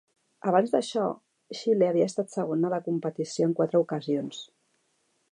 Abans d'això, Xile havia estat segona a la competició en quatre ocasions.